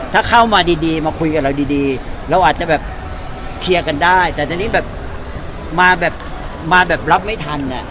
ถ้าเข้ามาดีมาคุยกับเราดีเราอาจจะแบบเคลียร์กันได้แต่ทีนี้แบบมาแบบมาแบบรับไม่ทันอ่ะ